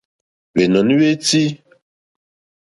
Hwènɔ̀ní hwé chí.